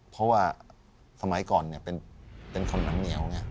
เพราะว่าสมัยก่อนเป็นคนน้ำเหนียว